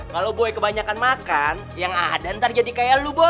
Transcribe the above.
kalau boy kebanyakan makan ya ga ada ntar jadi kayak lo bon